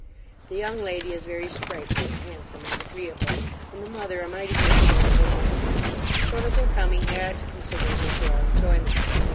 The young lady is very sprightly, handsome, and agreeable, and the mother a mighty good sort of a woman; so that their coming adds considerably to our enjoyment.